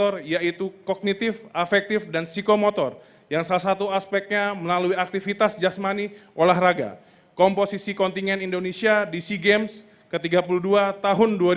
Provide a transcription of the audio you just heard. raya kebangsaan indonesia raya